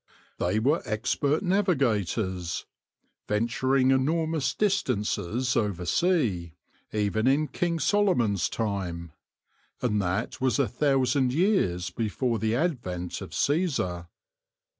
They were expert navigators, venturing enormous distances oversea, even in King Solomon's time ; and that was a thousand years before the advent of Caesar.